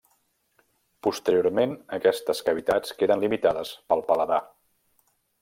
Posteriorment aquestes cavitats queden limitades pel paladar.